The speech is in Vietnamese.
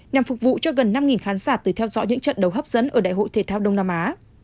nhằm phục vụ cho gần năm khán giả từ theo dõi những trận đấu hấp dẫn ở đại hội thể thao đông nam á